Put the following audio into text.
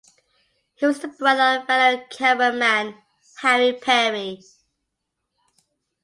He was the brother of fellow cameraman Harry Perry.